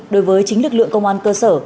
đối với chính lực lượng công an cơ sở